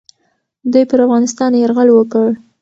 دوی پر افغانستان یرغل وکړ.